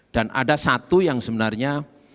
dan ada satu yang sebenarnya